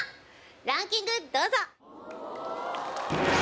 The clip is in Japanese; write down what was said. ランキング、どうぞ！